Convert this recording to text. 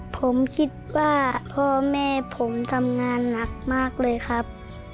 ผมคิดว่าพ่อแม่ผมทำงานหนักมากเลยครับ